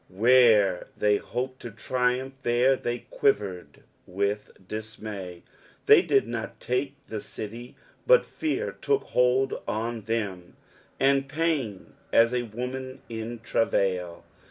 Where they hoped to triumph, there they quivered with dismay. They did not take the city, but fear tooli hold on them. '^ And pain, om ^ a kokim i» travnil."